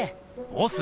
ボス